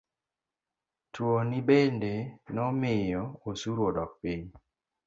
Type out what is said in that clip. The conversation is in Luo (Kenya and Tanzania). Tuoni bende nomiyo osuru odok piny.